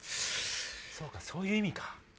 そうかそういう意味か。